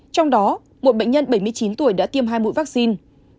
trong đó một bệnh nhân bảy mươi chín tuổi đã tiêm hai mũi vaccine